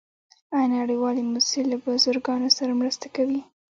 آیا نړیوالې موسسې له بزګرانو سره مرسته کوي؟